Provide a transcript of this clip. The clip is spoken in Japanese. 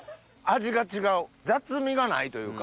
味が違う雑味がないというか。